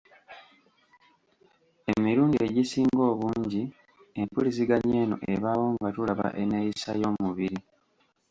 Emirundi egisinga obungi empuliziganya eno ebaawo nga tulaba enneeyisa y’omubiri.